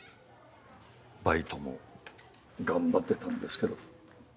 バイトも頑張ってたんですけど。